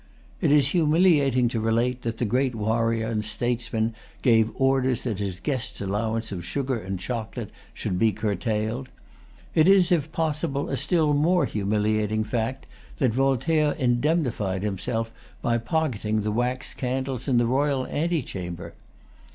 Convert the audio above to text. It is humiliating to relate, that the great warrior and statesman gave orders that his guest's allowance of sugar and chocolate should be curtailed. It is, if possible, a still more humiliating fact that Voltaire indemnified himself by pocketing the wax candles in the royal antechamber.